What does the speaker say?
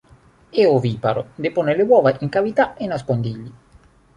È oviparo, depone le uova in cavità e nascondigli.